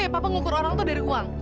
perlu ya papa ngukur orang tuh dari uang